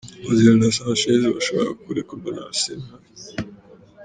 Ozil na Sanchez bashobora kurekugwa na Arsena.